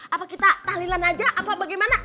apa kita tahlilan aja apa bagaimana